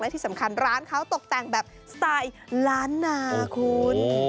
ที่สำคัญร้านเขาตกแต่งแบบสไตล์ล้านนาคุณ